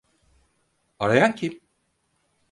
Arayan kim?